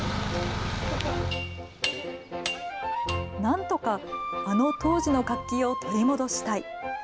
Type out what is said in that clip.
なんとか、あの当時の活気を取り戻したい。